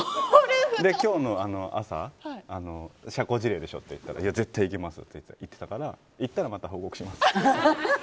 で、今日の朝社交辞令でしょって言ったら絶対行きますって言ってたから行ったらまた報告します。